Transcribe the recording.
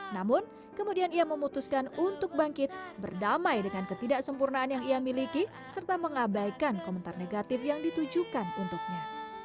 namun kemudian ia memutuskan untuk bangkit berdamai dengan ketidaksempurnaan yang ia miliki serta mengabaikan komentar negatif yang ditujukan untuknya